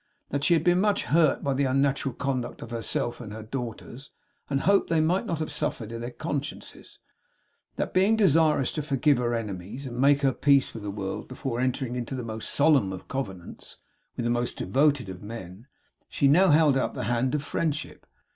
That she had been much hurt by the unnatural conduct of herself and daughters, and hoped they might not have suffered in their consciences. That, being desirous to forgive her enemies, and make her peace with the world before entering into the most solemn of covenants with the most devoted of men, she now held out the hand of friendship.